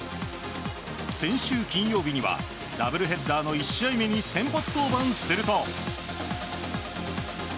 先週金曜日にはダブルヘッダーの１試合目に先発登板すると。